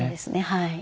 はい。